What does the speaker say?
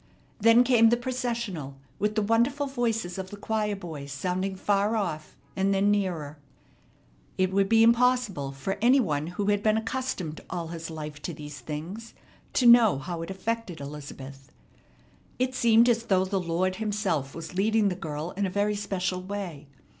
Then came the processional, with the wonderful voices of the choir boys sounding far off, and then nearer. It would be impossible for any one who had been accustomed all his life to these things to know how it affected Elizabeth. It seemed as though the Lord Himself was leading the girl in a very special way.